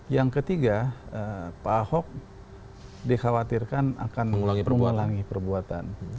yang ketiga pak ahok dikhawatirkan akan mengulangi perbuatan